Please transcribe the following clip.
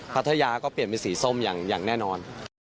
พัทยาก็เปลี่ยนเป็นสีส้มอย่างแน่นอน